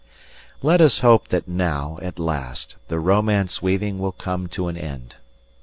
Let us hope that now, at last, the romance weaving will come to an end.